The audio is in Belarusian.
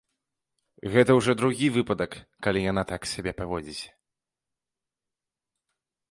Гэта ўжо другі выпадак, калі яна так сябе паводзіць.